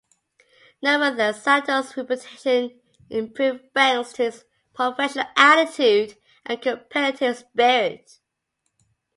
Nevertheless, Sato's reputation improved thanks to his professional attitude and competitive spirit.